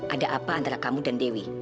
ada apa antara kamu dan dewi